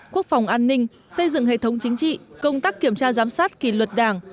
quốc phòng an ninh xây dựng hệ thống chính trị công tác kiểm tra giám sát kỳ luật đảng